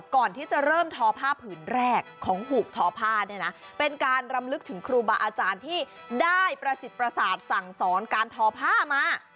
ก่อนที่จะเริ่มทอผ้าผืนแรกของหุบทอผ้าเนี่ยนะเป็นการรำลึกถึงครูบาอาจารย์ที่ได้ประสิทธิ์ประสาทสั่งสอนการทอผ้ามา